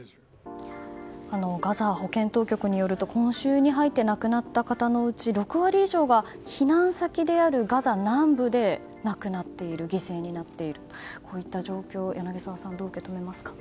ガザ保健当局によると今週に入って亡くなった方のうち６割以上が避難先であるガザ南部で亡くなっている犠牲になっているという状況を柳澤さん、どう受け止めますか。